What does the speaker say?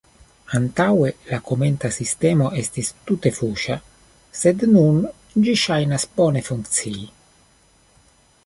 Antaŭe la komenta sistemo estis tute fuŝa sed nun ĝi ŝajnas bone funkcii.